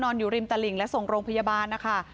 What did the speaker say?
อยู่ริมตลิ่งและส่งโรงพยาบาลนะคะ